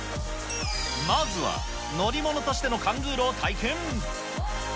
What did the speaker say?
まずは乗り物としてのカングーロを体験。